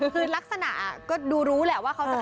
คือลักษณะก็ดูรู้แหละว่าเขาจะ